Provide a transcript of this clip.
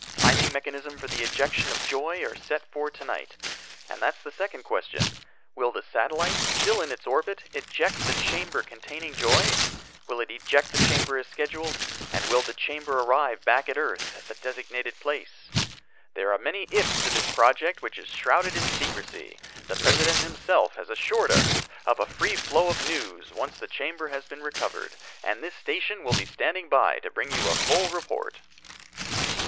Timing mechanism for the ejection of Joy are set for tonight. And that's the second question. Will the satellite, still in its orbit, eject the chamber containing Joy? Will it eject the chamber as scheduled, and will the chamber arrive back at earth at the designated place? "There are many 'ifs' to this project which is shrouded in secrecy. The President himself has assured us of a free flow of news once the chamber has been recovered, and this station will be standing by to bring you a full report."